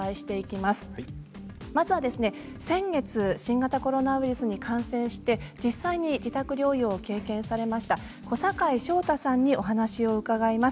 まずは先月、新型コロナウイルスに感染して実際に自宅療養を経験しました小堺翔太さんにお話を伺います。